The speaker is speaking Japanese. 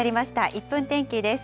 １分天気です。